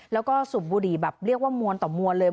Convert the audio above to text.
แล้วก็สูบบุหรี่แบบเรียกว่ามวลต่อมวลเลย